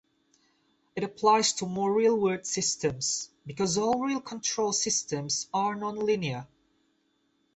It applies to more real-world systems, because all real control systems are nonlinear.